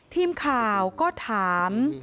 ทีมข่าวก็ถาม